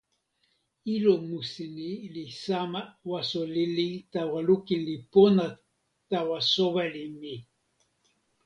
ilo musi ni li sama waso lili tawa lukin li pona tawa soweli mi.